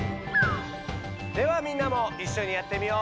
ではみんなもいっしょにやってみよう！